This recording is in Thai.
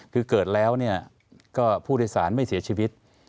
คือเกิดแล้วก็ผู้โดยสารไม่เสียชีวิต